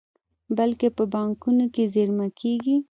بلکې په بانکونو کې زېرمه کیږي.